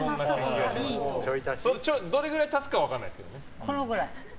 どれくらい足すかは分からないですけどね。